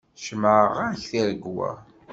Cemɛeɣ-ak tiregwa.